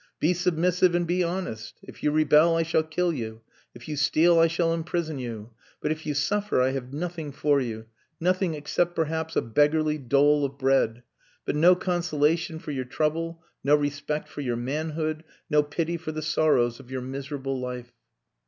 Be submissive and be honest. If you rebel I shall kill you. If you steal I shall imprison you. But if you suffer I have nothing for you nothing except perhaps a beggarly dole of bread but no consolation for your trouble, no respect for your manhood, no pity for the sorrows of your miserable life.